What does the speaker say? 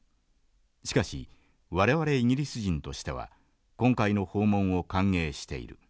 しかし我々イギリス人としては今回の訪問を歓迎している。